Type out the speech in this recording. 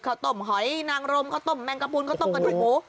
ข้าวต้มหอยนางรมข้าวต้มแมงกระพูนข้าวต้มกระดูกหมู